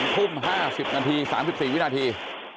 ทุ่ม๕๐นาที๓๔วินาที